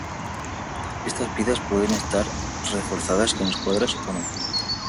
Estas piezas pueden estar reforzadas con escuadras o no.